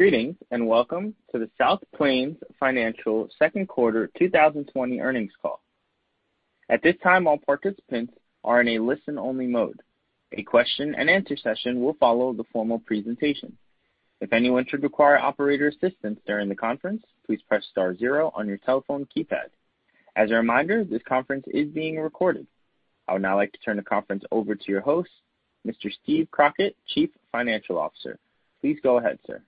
Greetings, and welcome to the South Plains Financial Second Quarter 2020 Earnings Call. At this time, all participants are in a listen-only mode. A question and answer session will follow the formal presentation. If anyone should require operator assistance during the conference, please press star zero on your telephone keypad. As a reminder, this conference is being recorded. I would now like to turn the conference over to your host, Mr. Steve Crockett, Chief Financial Officer. Please go ahead, sir.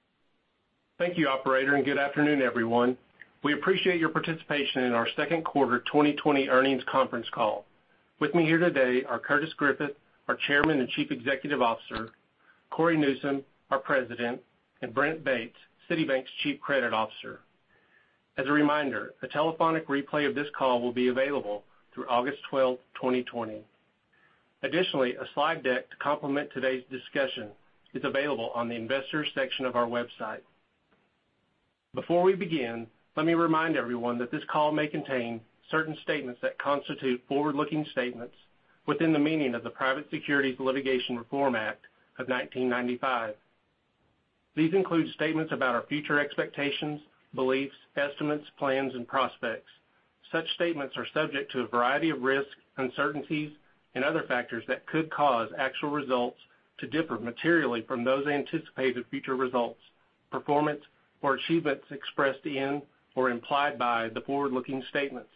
Thank you, operator, and good afternoon, everyone. We appreciate your participation in our second quarter 2020 earnings conference call. With me here today are Curtis Griffith, our Chairman and Chief Executive Officer, Cory Newsom, our President, and Brent Bates, City Bank's Chief Credit Officer. As a reminder, a telephonic replay of this call will be available through August 12, 2020. Additionally, a slide deck to complement today's discussion is available on the Investors section of our website. Before we begin, let me remind everyone that this call may contain certain statements that constitute forward-looking statements within the meaning of the Private Securities Litigation Reform Act of 1995. These include statements about our future expectations, beliefs, estimates, plans, and prospects. Such statements are subject to a variety of risks, uncertainties, and other factors that could cause actual results to differ materially from those anticipated future results, performance, or achievements expressed in or implied by the forward-looking statements.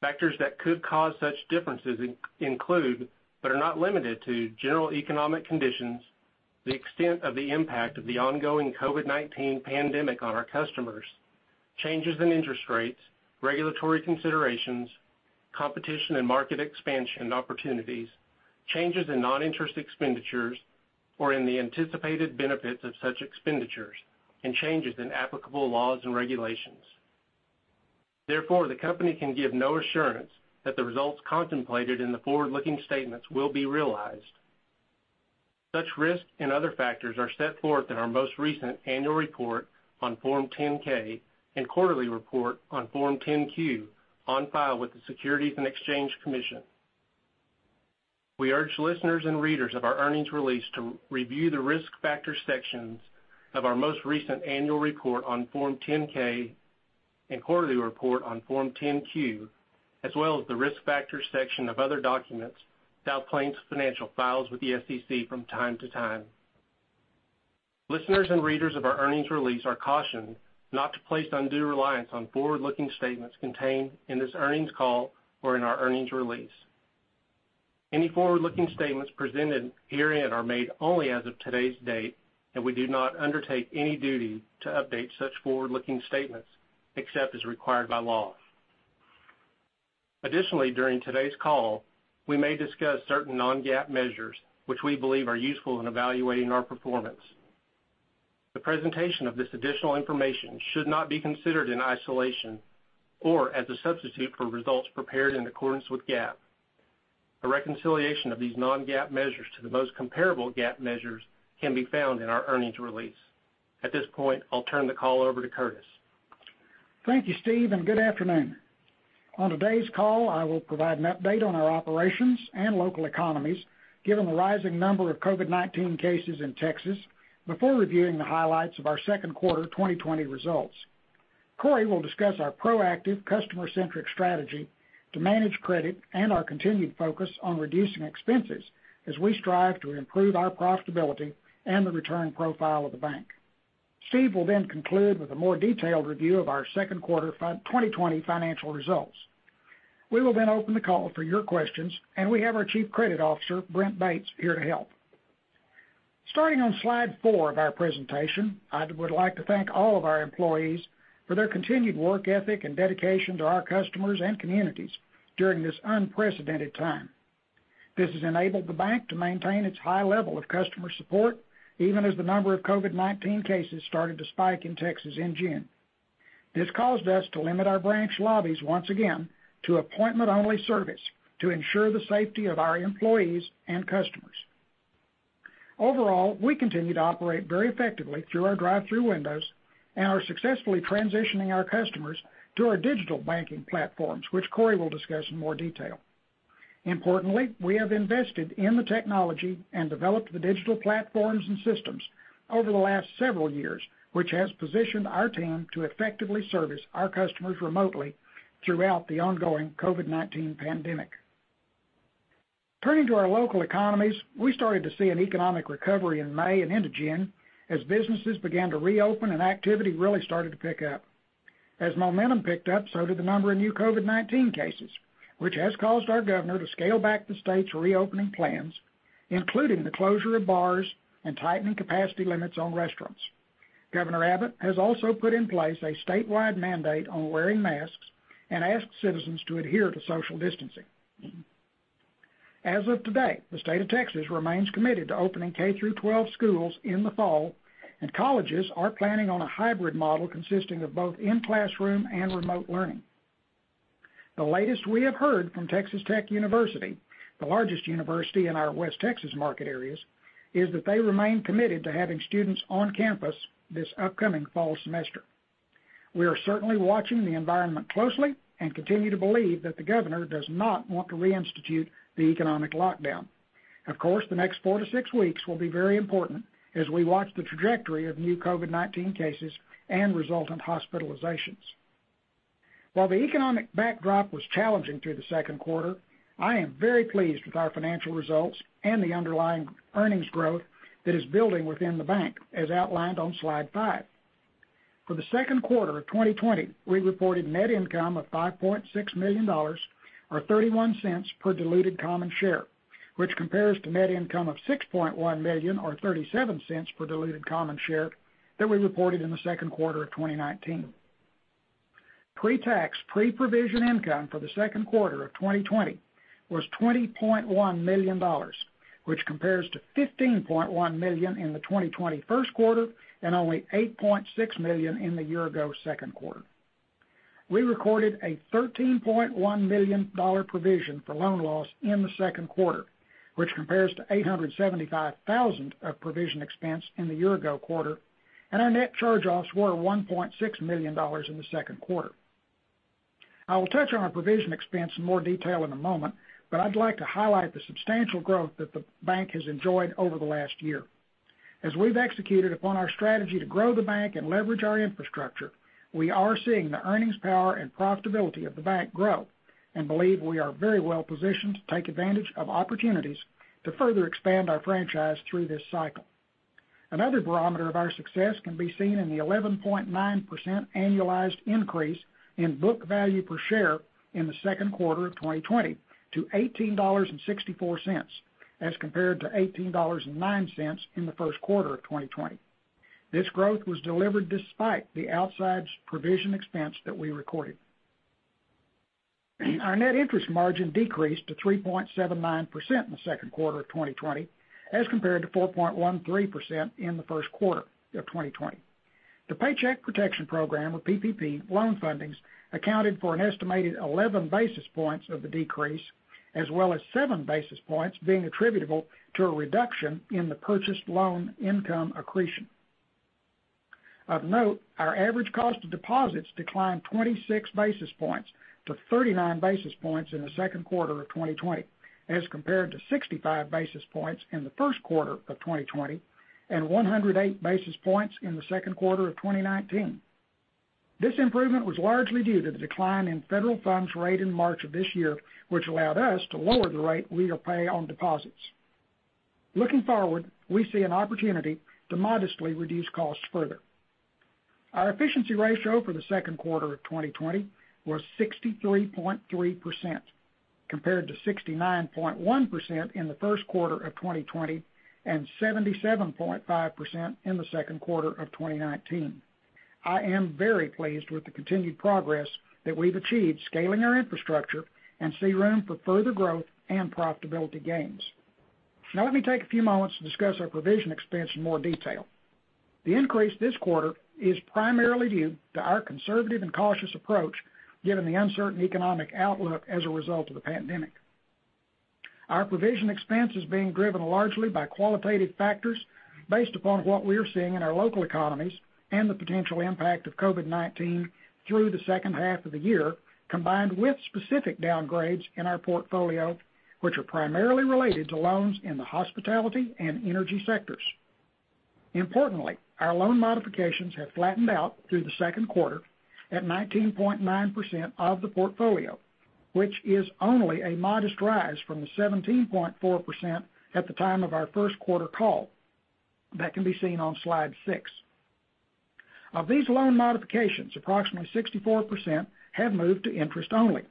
Factors that could cause such differences include, but are not limited to general economic conditions, the extent of the impact of the ongoing COVID-19 pandemic on our customers, changes in interest rates, regulatory considerations, competition and market expansion opportunities, changes in non-interest expenditures, or in the anticipated benefits of such expenditures, and changes in applicable laws and regulations. Therefore, the company can give no assurance that the results contemplated in the forward-looking statements will be realized. Such risks and other factors are set forth in our most recent annual report on Form 10-K and quarterly report on Form 10-Q on file with the Securities and Exchange Commission. We urge listeners and readers of our earnings release to review the Risk Factor sections of our most recent annual report on Form 10-K and quarterly report on Form 10-Q, as well as the Risk Factor section of other documents South Plains Financial files with the SEC from time to time. Listeners and readers of our earnings release are cautioned not to place undue reliance on forward-looking statements contained in this earnings call or in our earnings release. Any forward-looking statements presented herein are made only as of today's date, and we do not undertake any duty to update such forward-looking statements except as required by law. Additionally, during today's call, we may discuss certain non-GAAP measures which we believe are useful in evaluating our performance. The presentation of this additional information should not be considered in isolation or as a substitute for results prepared in accordance with GAAP. A reconciliation of these non-GAAP measures to the most comparable GAAP measures can be found in our earnings release. At this point, I'll turn the call over to Curtis. Thank you, Steve. Good afternoon. On today's call, I will provide an update on our operations and local economies, given the rising number of COVID-19 cases in Texas, before reviewing the highlights of our second quarter 2020 results. Cory will discuss our proactive customer-centric strategy to manage credit and our continued focus on reducing expenses as we strive to improve our profitability and the return profile of the bank. Steve will conclude with a more detailed review of our second quarter 2020 financial results. We will open the call for your questions, and we have our Chief Credit Officer, Brent Bates, here to help. Starting on slide four of our presentation, I would like to thank all of our employees for their continued work ethic and dedication to our customers and communities during this unprecedented time. This has enabled the bank to maintain its high level of customer support, even as the number of COVID-19 cases started to spike in Texas in June. This caused us to limit our branch lobbies once again to appointment-only service to ensure the safety of our employees and customers. Overall, we continue to operate very effectively through our drive-through windows and are successfully transitioning our customers to our digital banking platforms, which Cory will discuss in more detail. Importantly, we have invested in the technology and developed the digital platforms and systems over the last several years, which has positioned our team to effectively service our customers remotely throughout the ongoing COVID-19 pandemic. Turning to our local economies, we started to see an economic recovery in May and into June as businesses began to reopen and activity really started to pick up. As momentum picked up, so did the number of new COVID-19 cases, which has caused our Governor to scale back the State's reopening plans, including the closure of bars and tightening capacity limits on restaurants. Governor Abbott has also put in place a statewide mandate on wearing masks and asked citizens to adhere to social distancing. As of today, the State of Texas remains committed to opening K–12 schools in the fall. Colleges are planning on a hybrid model consisting of both in-classroom and remote learning. The latest we have heard from Texas Tech University, the largest university in our West Texas market areas, is that they remain committed to having students on campus this upcoming fall semester. We are certainly watching the environment closely and continue to believe that the Governor does not want to reinstitute the economic lockdown. The next four to six weeks will be very important as we watch the trajectory of new COVID-19 cases and resultant hospitalizations. While the economic backdrop was challenging through the second quarter, I am very pleased with our financial results and the underlying earnings growth that is building within the bank, as outlined on slide five. For the second quarter of 2020, we reported net income of $5.6 million, or $0.31 per diluted common share, which compares to net income of $6.1 million or $0.37 per diluted common share that we reported in the second quarter of 2019. Pre-tax, pre-provision income for the second quarter of 2020 was $20.1 million, which compares to $15.1 million in the 2020 first quarter and only $8.6 million in the year ago second quarter. We recorded a $13.1 million provision for loan loss in the second quarter, which compares to $875,000 of provision expense in the year ago quarter, and our net charge-offs were $1.6 million in the second quarter. I will touch on our provision expense in more detail in a moment, but I'd like to highlight the substantial growth that the bank has enjoyed over the last year. As we've executed upon our strategy to grow the bank and leverage our infrastructure, we are seeing the earnings power and profitability of the bank grow and believe we are very well positioned to take advantage of opportunities to further expand our franchise through this cycle. Another barometer of our success can be seen in the 11.9% annualized increase in book value per share in the second quarter of 2020 to $18.64 as compared to $18.09 in the first quarter of 2020. This growth was delivered despite the outsized provision expense that we recorded. Our net interest margin decreased to 3.79% in the second quarter of 2020 as compared to 4.13% in the first quarter of 2020. The Paycheck Protection Program, or PPP, loan fundings accounted for an estimated 11 basis points of the decrease, as well as seven basis points being attributable to a reduction in the purchased loan income accretion. Of note, our average cost of deposits declined 26 basis points to 39 basis points in the second quarter of 2020 as compared to 65 basis points in the first quarter of 2020 and 108 basis points in the second quarter of 2019. This improvement was largely due to the decline in federal funds rate in March of this year, which allowed us to lower the rate we pay on deposits. Looking forward, we see an opportunity to modestly reduce costs further. Our efficiency ratio for the second quarter of 2020 was 63.3%, compared to 69.1% in the first quarter of 2020 and 77.5% in the second quarter of 2019. I am very pleased with the continued progress that we've achieved scaling our infrastructure and see room for further growth and profitability gains. Let me take a few moments to discuss our provision expense in more detail. The increase this quarter is primarily due to our conservative and cautious approach, given the uncertain economic outlook as a result of the pandemic. Our provision expense is being driven largely by qualitative factors based upon what we are seeing in our local economies and the potential impact of COVID-19 through the second half of the year, combined with specific downgrades in our portfolio, which are primarily related to loans in the hospitality and energy sectors. Importantly, our loan modifications have flattened out through the second quarter at 19.9% of the portfolio, which is only a modest rise from the 17.4% at the time of our first quarter call. That can be seen on slide six. Of these loan modifications, approximately 64% have moved to interest only,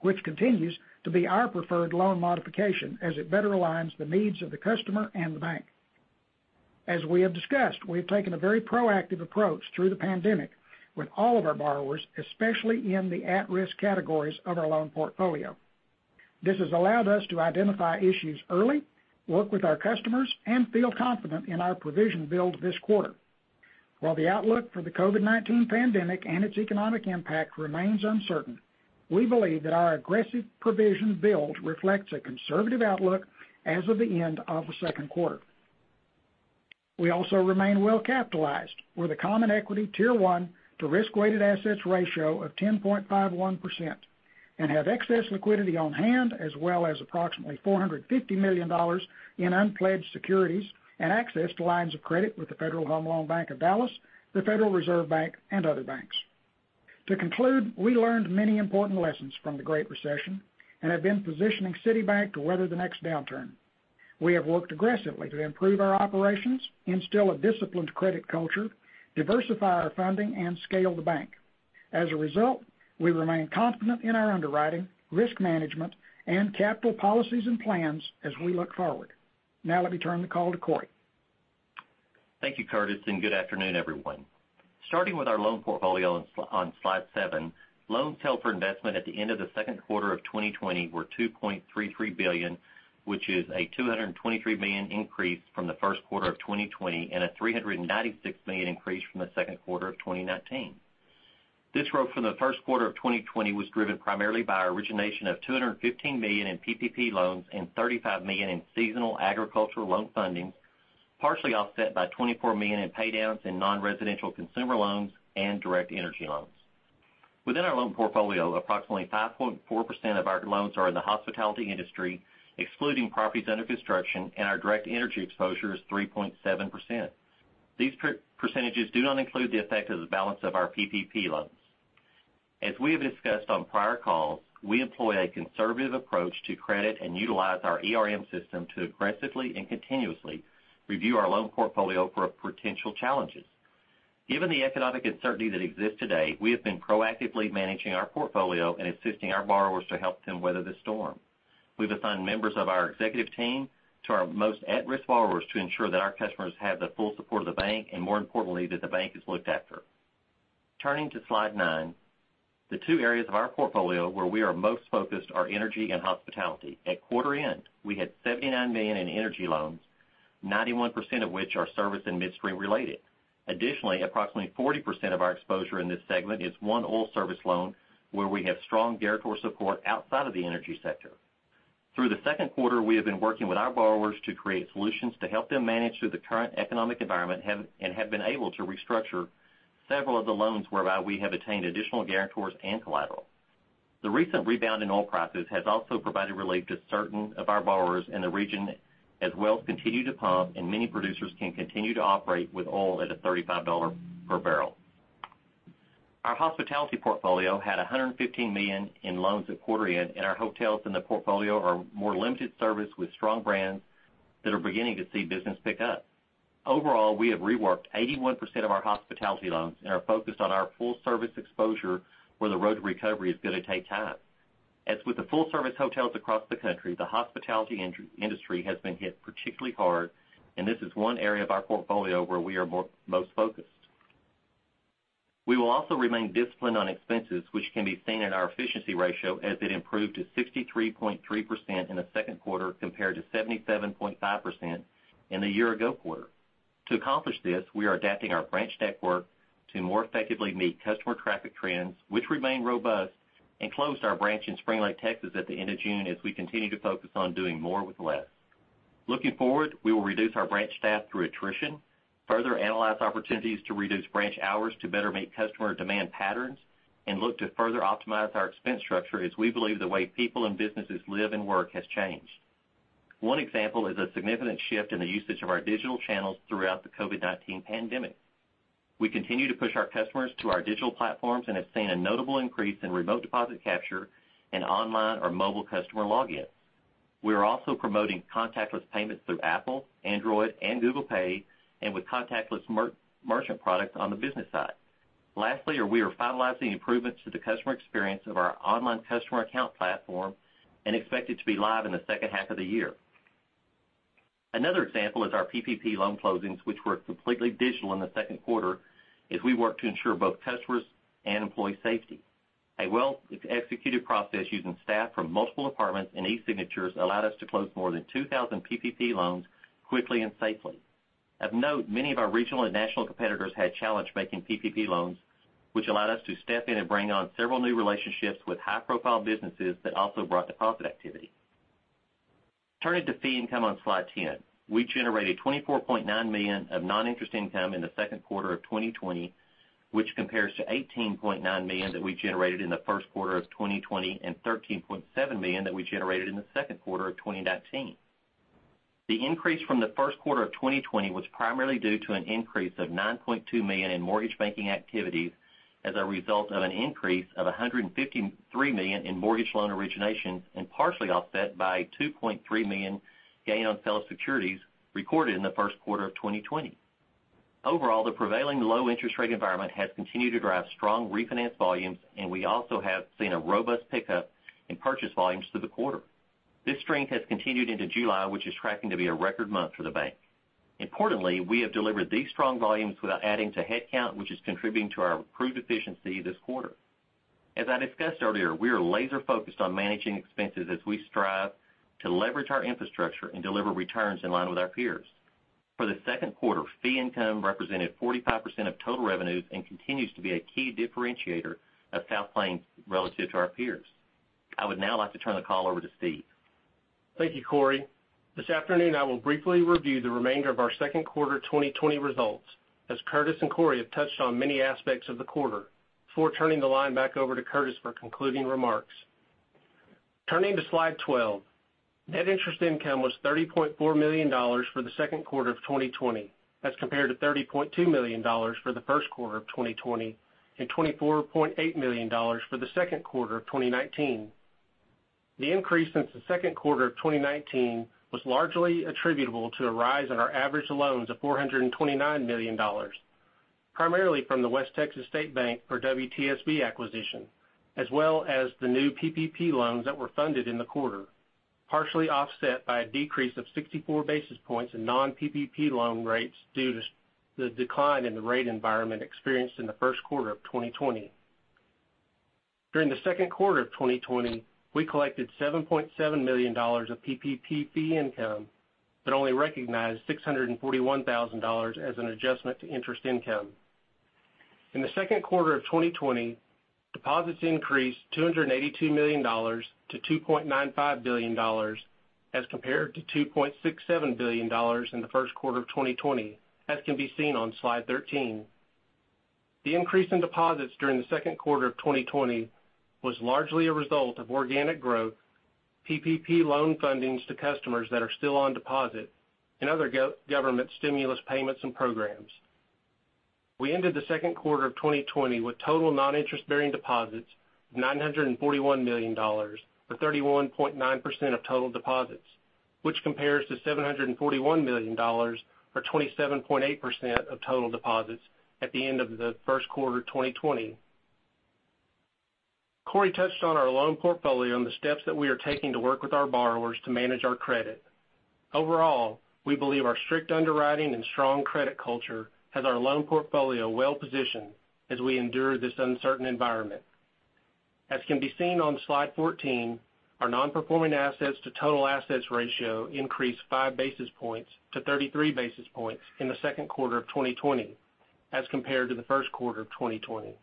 which continues to be our preferred loan modification as it better aligns the needs of the customer and the bank. As we have discussed, we've taken a very proactive approach through the pandemic with all of our borrowers, especially in the at-risk categories of our loan portfolio. This has allowed us to identify issues early, work with our customers, and feel confident in our provision build this quarter. While the outlook for the COVID-19 pandemic and its economic impact remains uncertain, we believe that our aggressive provision build reflects a conservative outlook as of the end of the second quarter. We also remain well-capitalized with a Common Equity Tier 1 to risk-weighted assets ratio of 10.51% and have excess liquidity on hand, as well as approximately $450 million in unpledged securities and access to lines of credit with the Federal Home Loan Bank of Dallas, the Federal Reserve Bank, and other banks. To conclude, we learned many important lessons from the Great Recession and have been positioning City Bank to weather the next downturn. We have worked aggressively to improve our operations, instill a disciplined credit culture, diversify our funding, and scale the bank. As a result, we remain confident in our underwriting, risk management, and capital policies and plans as we look forward. Now, let me turn the call to Cory. Thank you, Curtis, and good afternoon, everyone. Starting with our loan portfolio on slide seven, loans held for investment at the end of the second quarter of 2020 were $2.33 billion, which is a $223 million increase from the first quarter of 2020 and a $396 million increase from the second quarter of 2019. This growth from the first quarter of 2020 was driven primarily by our origination of $215 million in PPP loans and $35 million in seasonal agricultural loan fundings partially offset by $24 million in pay downs in non-residential consumer loans and direct energy loans. Within our loan portfolio, approximately 5.4% of our loans are in the hospitality industry, excluding properties under construction, and our direct energy exposure is 3.7%. These percentages do not include the effect of the balance of our PPP loans. As we have discussed on prior calls, we employ a conservative approach to credit and utilize our ERM system to aggressively and continuously review our loan portfolio for potential challenges. Given the economic uncertainty that exists today, we have been proactively managing our portfolio and assisting our borrowers to help them weather the storm. We've assigned members of our executive team to our most at-risk borrowers to ensure that our customers have the full support of the bank and more importantly, that the bank is looked after. Turning to slide nine, the two areas of our portfolio where we are most focused are energy and hospitality. At quarter end, we had $79 million in energy loans, 91% of which are service and midstream related. Additionally, approximately 40% of our exposure in this segment is one oil service loan where we have strong guarantor support outside of the energy sector. Through the second quarter, we have been working with our borrowers to create solutions to help them manage through the current economic environment and have been able to restructure several of the loans whereby we have attained additional guarantors and collateral. The recent rebound in oil prices has also provided relief to certain of our borrowers in the region as wells continue to pump and many producers can continue to operate with oil at a $35 per barrel. Our hospitality portfolio had $115 million in loans at quarter end, and our hotels in the portfolio are more limited service with strong brands that are beginning to see business pick up. Overall, we have reworked 81% of our hospitality loans and are focused on our full service exposure where the road to recovery is going to take time. As with the full service hotels across the country, the hospitality industry has been hit particularly hard, and this is one area of our portfolio where we are most focused. We will also remain disciplined on expenses which can be seen in our efficiency ratio as it improved to 63.3% in the second quarter compared to 77.5% in the year ago quarter. To accomplish this, we are adapting our branch network to more effectively meet customer traffic trends, which remain robust, and closed our branch in Springlake, Texas at the end of June as we continue to focus on doing more with less. Looking forward, we will reduce our branch staff through attrition, further analyze opportunities to reduce branch hours to better meet customer demand patterns, and look to further optimize our expense structure as we believe the way people and businesses live and work has changed. One example is a significant shift in the usage of our digital channels throughout the COVID-19 pandemic. We continue to push our customers to our digital platforms and have seen a notable increase in remote deposit capture and online or mobile customer log-ins. We are also promoting contactless payments through Apple, Android, and Google Pay, and with contactless merchant products on the business side. We are finalizing improvements to the customer experience of our online customer account platform and expect it to be live in the second half of the year. Another example is our PPP loan closings, which were completely digital in the second quarter as we work to ensure both customers and employee safety. A well-executed process using staff from multiple departments and e-signatures allowed us to close more than 2,000 PPP loans quickly and safely. Of note, many of our regional and national competitors had challenged making PPP loans, which allowed us to step in and bring on several new relationships with high-profile businesses that also brought deposit activity. Turning to fee income on slide 10. We generated $24.9 million of non-interest income in the second quarter of 2020, which compares to $18.9 million that we generated in the first quarter of 2020 and $13.7 million that we generated in the second quarter of 2019. The increase from the first quarter of 2020 was primarily due to an increase of $9.2 million in mortgage banking activities as a result of an increase of $153 million in mortgage loan origination and partially offset by $2.3 million gain on sale of securities recorded in the first quarter of 2020. Overall, the prevailing low interest rate environment has continued to drive strong refinance volumes, and we also have seen a robust pickup in purchase volumes through the quarter. This strength has continued into July, which is tracking to be a record month for the bank. Importantly, we have delivered these strong volumes without adding to headcount, which is contributing to our improved efficiency this quarter. As I discussed earlier, we are laser focused on managing expenses as we strive to leverage our infrastructure and deliver returns in line with our peers. For the second quarter, fee income represented 45% of total revenues and continues to be a key differentiator of South Plains relative to our peers. I would now like to turn the call over to Steve. Thank you, Cory. This afternoon, I will briefly review the remainder of our second quarter 2020 results, as Curtis and Cory have touched on many aspects of the quarter, before turning the line back over to Curtis for concluding remarks. Turning to slide 12. Net interest income was $30.4 million for the second quarter of 2020, as compared to $30.2 million for the first quarter of 2020 and $24.8 million for the second quarter of 2019. The increase since the second quarter of 2019 was largely attributable to a rise in our average loans of $429 million, primarily from the West Texas State Bank, or WTSB acquisition, as well as the new PPP loans that were funded in the quarter, partially offset by a decrease of 64 basis points in non-PPP loan rates due to the decline in the rate environment experienced in the first quarter of 2020. During the second quarter of 2020, we collected $7.7 million of PPP fee income, but only recognized $641,000 as an adjustment to interest income. In the second quarter of 2020, deposits increased $282 million to $2.95 billion as compared to $2.67 billion in the first quarter of 2020, as can be seen on slide 13. The increase in deposits during the second quarter of 2020 was largely a result of organic growth, PPP loan fundings to customers that are still on deposit, and other government stimulus payments and programs. We ended the second quarter of 2020 with total non-interest bearing deposits of $941 million, or 31.9% of total deposits, which compares to $741 million, or 27.8% of total deposits at the end of the first quarter 2020. Cory touched on our loan portfolio and the steps that we are taking to work with our borrowers to manage our credit. Overall, we believe our strict underwriting and strong credit culture has our loan portfolio well-positioned as we endure this uncertain environment. As can be seen on slide 14, our non-performing assets to total assets ratio increased five basis points to 33 basis points in the second quarter of 2020 as compared to the first quarter of 2020.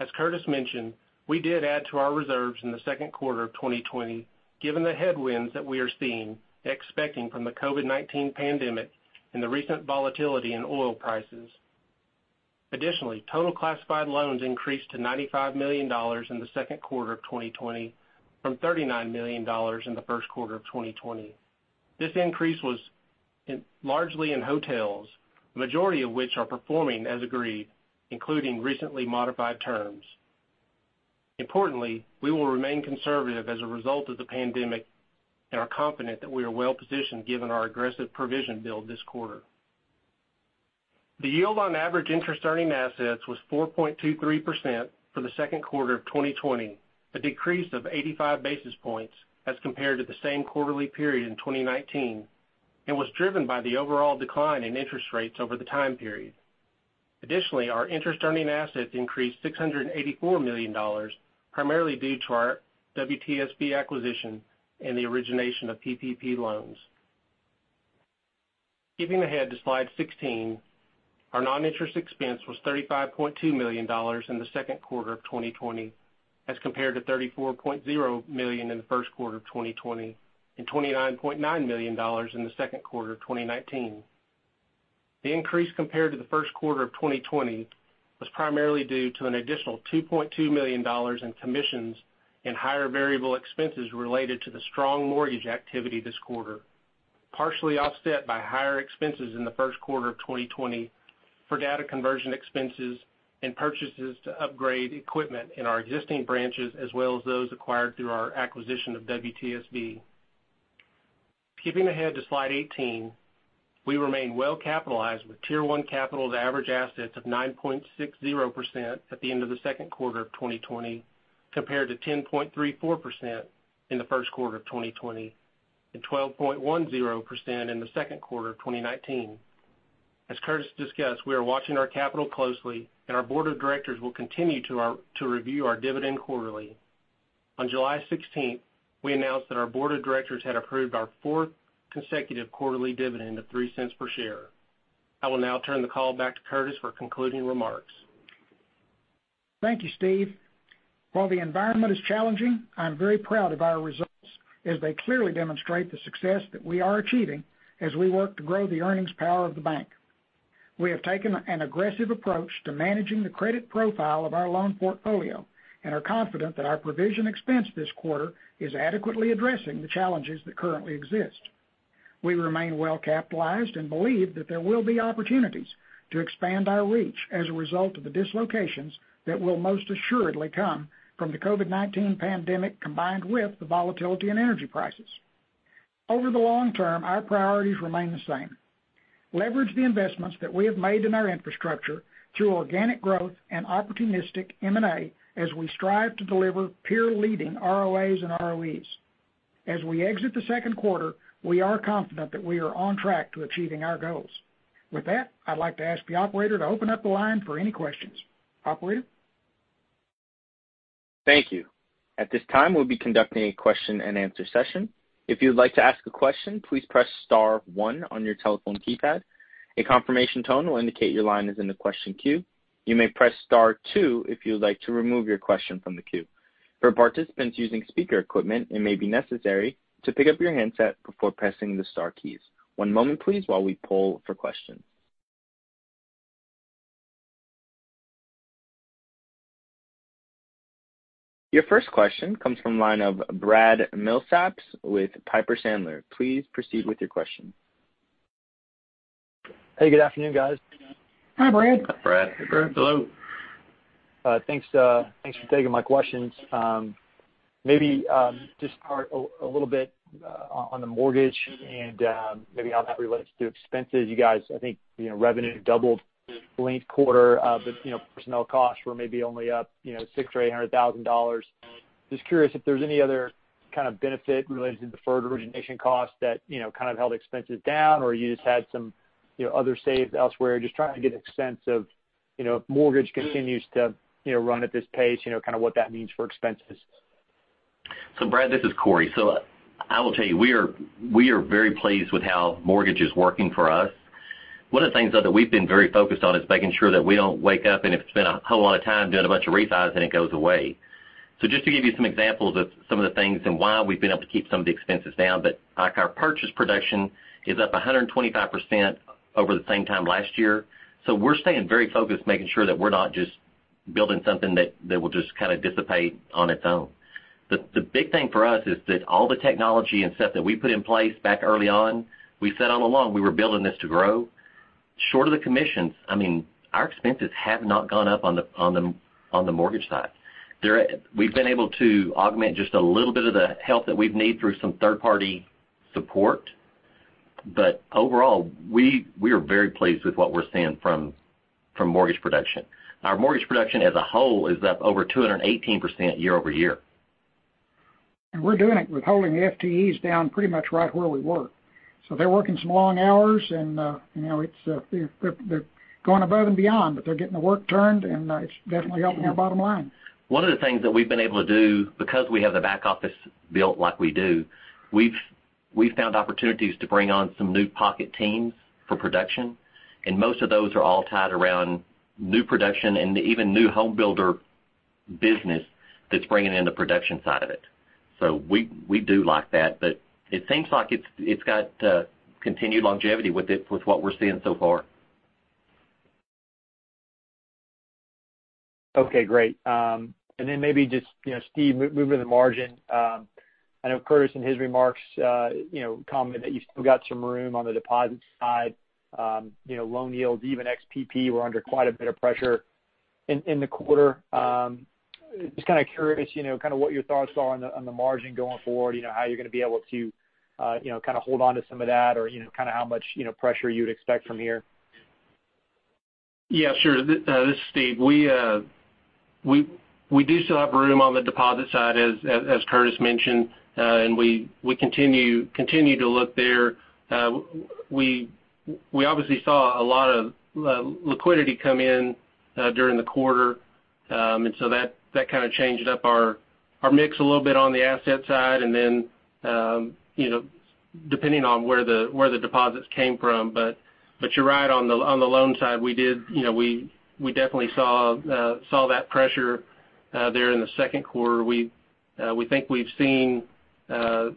As Curtis mentioned, we did add to our reserves in the second quarter of 2020 given the headwinds that we are seeing and expecting from the COVID-19 pandemic and the recent volatility in oil prices. Additionally, total classified loans increased to $95 million in the second quarter of 2020 from $39 million in the first quarter of 2020. This increase was largely in hotels, the majority of which are performing as agreed, including recently modified terms. Importantly, we will remain conservative as a result of the pandemic and are confident that we are well-positioned given our aggressive provision build this quarter. The yield on average interest-earning assets was 4.23% for the second quarter of 2020, a decrease of 85 basis points as compared to the same quarterly period in 2019, and was driven by the overall decline in interest rates over the time period. Additionally, our interest earning assets increased $684 million, primarily due to our WTSB acquisition and the origination of PPP loans. Skipping ahead to slide 16, our non-interest expense was $35.2 million in the second quarter of 2020 as compared to $34.0 million in the first quarter of 2020 and $29.9 million in the second quarter of 2019. The increase compared to the first quarter of 2020 was primarily due to an additional $2.2 million in commissions and higher variable expenses related to the strong mortgage activity this quarter, partially offset by higher expenses in the first quarter of 2020 for data conversion expenses and purchases to upgrade equipment in our existing branches, as well as those acquired through our acquisition of WTSB. Skipping ahead to slide 18, we remain well capitalized with Tier 1 capital to average assets of 9.60% at the end of the second quarter of 2020 compared to 10.34% in the first quarter of 2020 and 12.10% in the second quarter of 2019. As Curtis discussed, we are watching our capital closely and our board of directors will continue to review our dividend quarterly. On July 16th, we announced that our board of directors had approved our fourth consecutive quarterly dividend of $0.03 per share. I will now turn the call back to Curtis for concluding remarks. Thank you, Steve. While the environment is challenging, I'm very proud of our results as they clearly demonstrate the success that we are achieving as we work to grow the earnings power of the bank. We have taken an aggressive approach to managing the credit profile of our loan portfolio and are confident that our provision expense this quarter is adequately addressing the challenges that currently exist. We remain well capitalized and believe that there will be opportunities to expand our reach as a result of the dislocations that will most assuredly come from the COVID-19 pandemic, combined with the volatility in energy prices. Over the long term, our priorities remain the same. Leverage the investments that we have made in our infrastructure through organic growth and opportunistic M&A as we strive to deliver peer-leading ROAs and ROEs. As we exit the second quarter, we are confident that we are on track to achieving our goals. With that, I'd like to ask the operator to open up the line for any questions. Operator? Thank you. At this time, we'll be conducting a question and answer session. If you'd like to ask a question, please press star one on your telephone keypad. A confirmation tone will indicate your line is in the question queue. You may press star two if you would like to remove your question from the queue. For participants using speaker equipment, it may be necessary to pick up your handset before pressing the star keys. One moment, please, while we poll for questions. Your first question comes from the line of Brad Milsaps with Piper Sandler. Please proceed with your question. Hey, good afternoon, guys. Hi, Brad. Hi, Brad. Brad, hello. Thanks for taking my questions. Maybe just to start a little bit on the mortgage and maybe how that relates to expenses. You guys, I think revenue doubled linked quarter, personnel costs were maybe only up [$600,000-$800,000]. Just curious if there's any other kind of benefit related to deferred origination costs that kind of held expenses down, or you just had some other saves elsewhere. Just trying to get a sense of if mortgage continues to run at this pace kind of what that means for expenses. Brad, this is Cory. I will tell you, we are very pleased with how mortgage is working for us. One of the things, though, that we've been very focused on is making sure that we don't wake up and have spent a whole lot of time doing a bunch of refis, and it goes away. Just to give you some examples of some of the things and why we've been able to keep some of the expenses down, but like our purchase production is up 125% over the same time last year. We're staying very focused, making sure that we're not just building something that will just kind of dissipate on its own. The big thing for us is that all the technology and stuff that we put in place back early on, we said all along, we were building this to grow. Short of the commissions, our expenses have not gone up on the mortgage side. We've been able to augment just a little bit of the help that we've need through some third-party support. Overall, we are very pleased with what we're seeing from mortgage production. Our mortgage production as a whole is up over 218% year-over-year. We're doing it with holding the FTEs down pretty much right where we were. They're working some long hours and they're going above and beyond, but they're getting the work done, and it's definitely helping our bottom line. One of the things that we've been able to do, because we have the back office built like we do, we've found opportunities to bring on some new pocket teams for production. Most of those are all tied around new production and even new home builder business that's bringing in the production side of it. We do like that. It seems like it's got continued longevity with what we're seeing so far. Okay, great. Maybe just, Steve, moving to the margin. I know Curtis, in his remarks, commented that you've still got some room on the deposit side. Loan yields, even ex-PPP were under quite a bit of pressure in the quarter. Just kind of curious, what your thoughts are on the margin going forward, how you're going to be able to hold onto some of that or how much pressure you'd expect from here. Yeah, sure. This is Steve. We do still have room on the deposit side, as Curtis mentioned. We continue to look there. We obviously saw a lot of liquidity come in during the quarter. That kind of changed up our mix a little bit on the asset side, and then depending on where the deposits came from. You're right on the loan side, we definitely saw that pressure there in the second quarter. We think we've seen the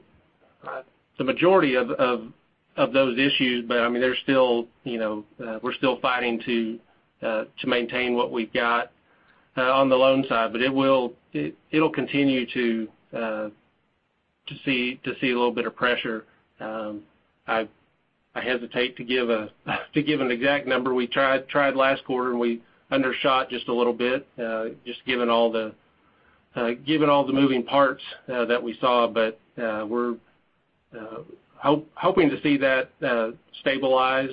majority of those issues, but we're still fighting to maintain what we've got on the loan side. It'll continue to see a little bit of pressure. I hesitate to give an exact number. We tried last quarter, and we undershot just a little bit just given all the moving parts that we saw. We're hoping to see that stabilize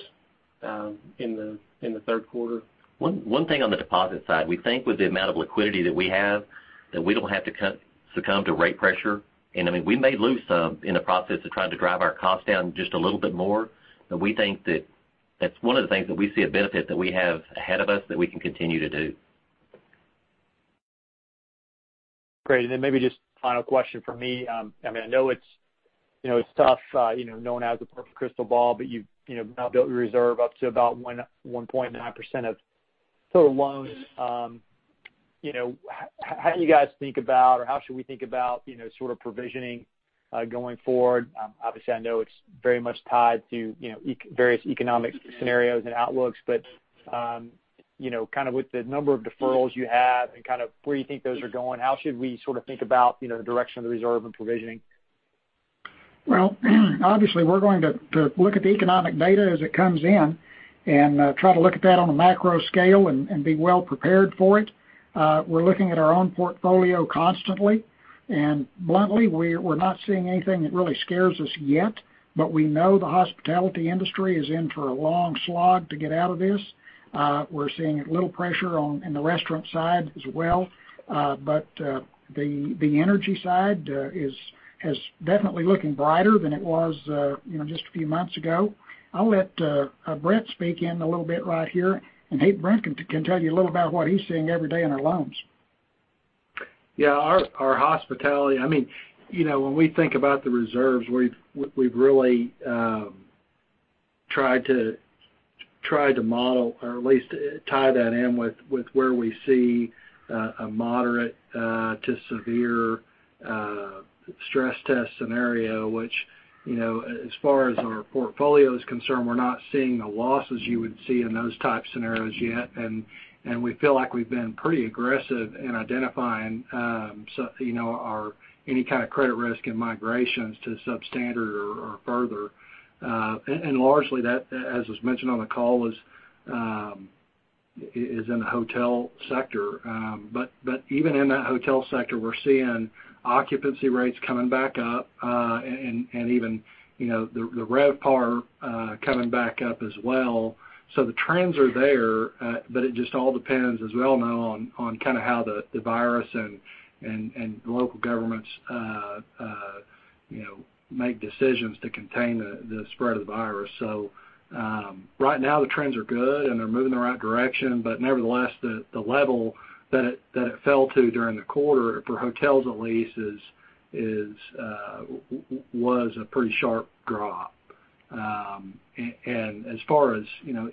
in the third quarter. One thing on the deposit side, we think with the amount of liquidity that we have, that we don't have to succumb to rate pressure. We may lose some in the process of trying to drive our costs down just a little bit more, but we think that that's one of the things that we see a benefit that we have ahead of us that we can continue to do. Great. Maybe just final question from me. I know it's tough, no one has a perfect crystal ball, but you've now built your reserve up to about 1.9% of total loans. How do you guys think about, or how should we think about, sort of provisioning going forward? Obviously, I know it's very much tied to various economic scenarios and outlooks, but with the number of deferrals you have and where you think those are going, how should we think about the direction of the reserve and provisioning? Well, obviously, we're going to look at the economic data as it comes in and try to look at that on a macro scale and be well prepared for it. We're looking at our own portfolio constantly, and bluntly, we're not seeing anything that really scares us yet. We know the hospitality industry is in for a long slog to get out of this. We're seeing a little pressure on the restaurant side as well. The energy side is definitely looking brighter than it was just a few months ago. I'll let Brent speak in a little bit right here, and Brent can tell you a little about what he's seeing every day in our loans. When we think about the reserves, we've really tried to model or at least tie that in with where we see a moderate to severe stress test scenario, which, as far as our portfolio is concerned, we're not seeing the losses you would see in those type scenarios yet. We feel like we've been pretty aggressive in identifying any kind of credit risk and migrations to substandard or further. Largely, as was mentioned on the call, is in the hotel sector. Even in that hotel sector, we're seeing occupancy rates coming back up, and even the RevPAR coming back up as well. The trends are there, but it just all depends, as we all know, on kind of how the virus and the local governments. Make decisions to contain the spread of the virus. Right now the trends are good, and they're moving in the right direction, but nevertheless, the level that it fell to during the quarter for hotels at least was a pretty sharp drop. As far as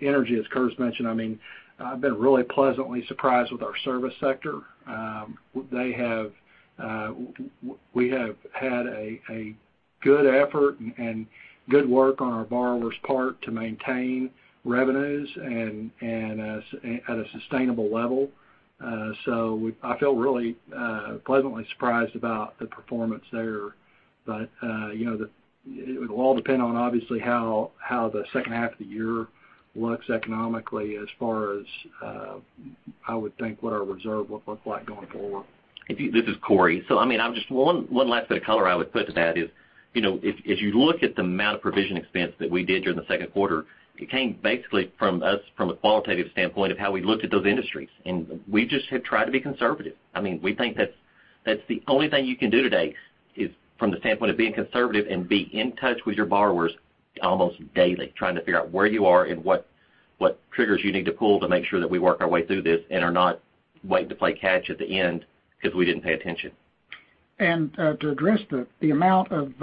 energy, as Curtis mentioned, I've been really pleasantly surprised with our service sector. We have had a good effort and good work on our borrowers' part to maintain revenues and at a sustainable level. I feel really pleasantly surprised about the performance there. It will all depend on, obviously, how the second half of the year looks economically as far as, I would think, what our reserve will look like going forward. This is Cory. Just one last bit of color I would put to that is, if you look at the amount of provision expense that we did during the second quarter, it came basically from us from a qualitative standpoint of how we looked at those industries. We just have tried to be conservative. We think that's the only thing you can do today is from the standpoint of being conservative and be in touch with your borrowers almost daily, trying to figure out where you are and what triggers you need to pull to make sure that we work our way through this and are not waiting to play catch at the end because we didn't pay attention. To address the amount of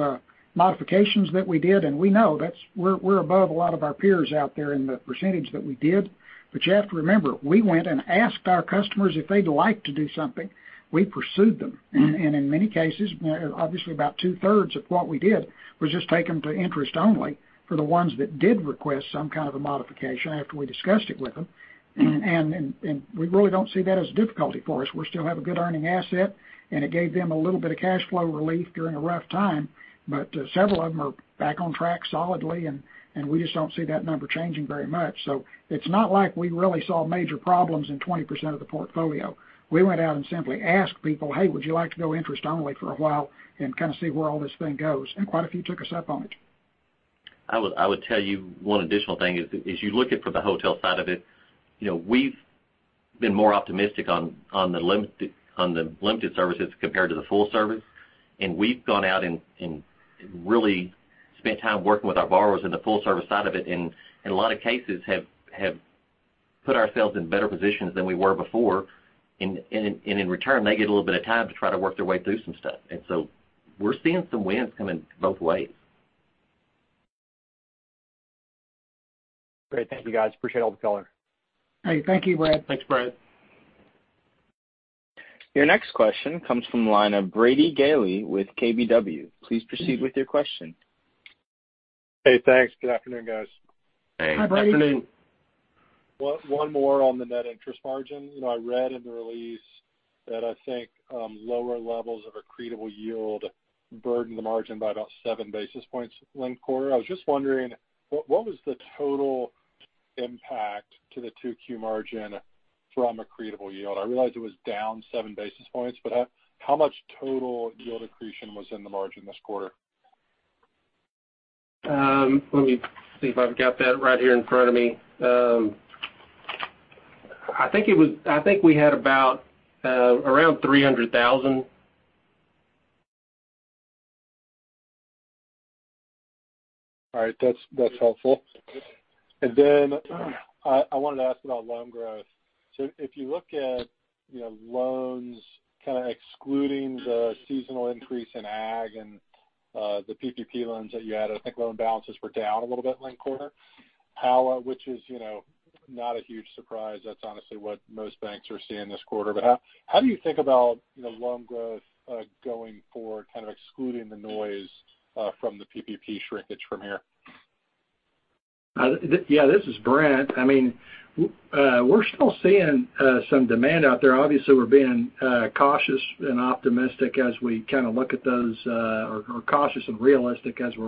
modifications that we did, we know we're above a lot of our peers out there in the percentage that we did. You have to remember, we went and asked our customers if they'd like to do something. We pursued them. In many cases, obviously about two-thirds of what we did was just take them to interest only for the ones that did request some kind of a modification after we discussed it with them. We really don't see that as a difficulty for us. We still have a good earning asset, and it gave them a little bit of cash flow relief during a rough time. Several of them are back on track solidly, and we just don't see that number changing very much. It's not like we really saw major problems in 20% of the portfolio. We went out and simply asked people, Hey, would you like to go interest only for a while and kind of see where all this thing goes? Quite a few took us up on it. I would tell you one additional thing is, as you look at for the hotel side of it, we've been more optimistic on the limited services compared to the full service. We've gone out and really spent time working with our borrowers in the full service side of it, and in a lot of cases have put ourselves in better positions than we were before. In return, they get a little bit of time to try to work their way through some stuff. We're seeing some wins coming both ways. Great. Thank you guys. Appreciate all the color. Hey, thank you, Brad. Thanks, Brad. Your next question comes from the line of Brady Gailey with KBW. Please proceed with your question. Hey, thanks. Good afternoon, guys. Hey. Hi, Brady. Afternoon. One more on the net interest margin. I read in the release that I think lower levels of accretable yield burdened the margin by about seven basis points linked quarter. I was just wondering, what was the total impact to the 2Q margin from accretable yield? I realize it was down seven basis points, but how much total yield accretion was in the margin this quarter? Let me see if I've got that right here in front of me. I think we had about around 300,000. All right. That's helpful. Then I wanted to ask about loan growth. If you look at loans, kind of excluding the seasonal increase in ag and the PPP loans that you had, I think loan balances were down a little bit linked quarter, which is not a huge surprise. That's honestly what most banks are seeing this quarter. How do you think about loan growth going forward, kind of excluding the noise from the PPP shrinkage from here? Yeah, this is Brent. We're still seeing some demand out there. Obviously, we're being cautious and realistic as we're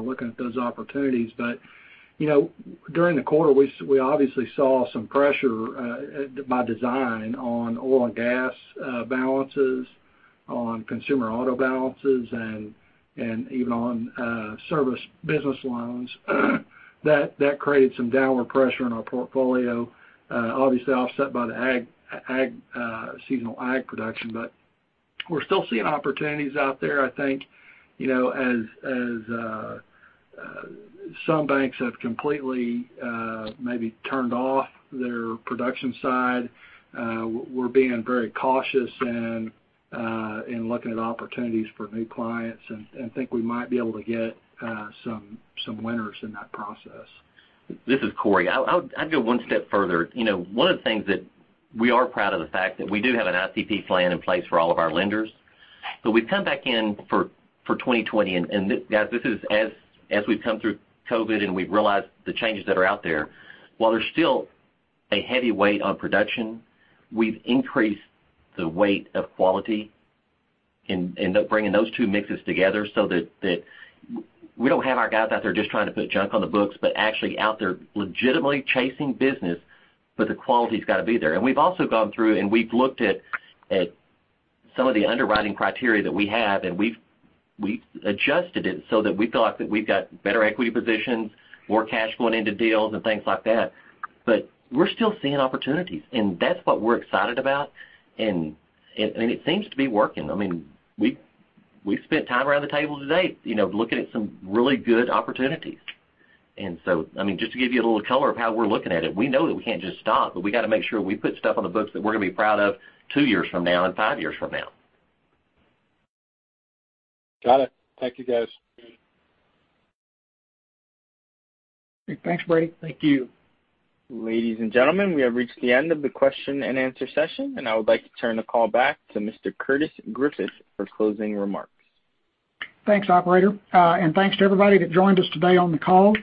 looking at those opportunities. During the quarter, we obviously saw some pressure by design on oil and gas balances, on consumer auto balances, and even on service business loans. That created some downward pressure on our portfolio, obviously offset by the seasonal ag production. We're still seeing opportunities out there, I think, as some banks have completely maybe turned off their production side. We're being very cautious in looking at opportunities for new clients and think we might be able to get some winners in that process. This is Cory. I'd go one step further. One of the things that we are proud of the fact that we do have an ICP plan in place for all of our lenders. We've come back in for 2020, and guys, as we've come through COVID and we've realized the changes that are out there, while there's still a heavy weight on production, we've increased the weight of quality in bringing those two mixes together so that we don't have our guys out there just trying to put junk on the books, but actually out there legitimately chasing business, but the quality's got to be there. We've also gone through and we've looked at some of the underwriting criteria that we have, and we've adjusted it so that we feel like that we've got better equity positions, more cash flowing into deals and things like that. We're still seeing opportunities, and that's what we're excited about, and it seems to be working. We spent time around the table today looking at some really good opportunities. Just to give you a little color of how we're looking at it, we know that we can't just stop, but we got to make sure we put stuff on the books that we're going to be proud of two years from now and five years from now. Got it. Thank you, guys. Thanks, Brady. Thank you. Ladies and gentlemen, we have reached the end of the question and answer session, and I would like to turn the call back to Mr. Curtis Griffith for closing remarks. Thanks, operator. Thanks to everybody that joined us today on the call.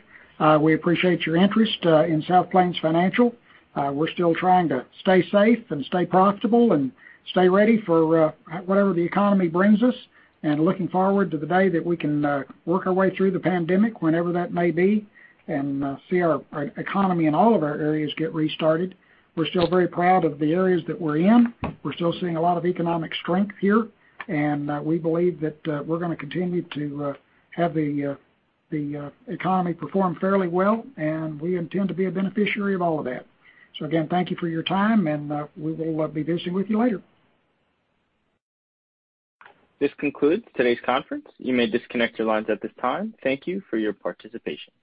We appreciate your interest in South Plains Financial. We're still trying to stay safe and stay profitable and stay ready for whatever the economy brings us and looking forward to the day that we can work our way through the pandemic, whenever that may be, and see our economy in all of our areas get restarted. We're still very proud of the areas that we're in. We're still seeing a lot of economic strength here, and we believe that we're going to continue to have the economy perform fairly well, and we intend to be a beneficiary of all of that. Again, thank you for your time, and we will be visiting with you later. This concludes today's conference. You may disconnect your lines at this time. Thank you for your participation.